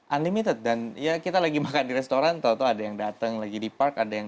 unlimited dan ya kita lagi makan di restoran tau tau ada yang datang lagi di park ada yang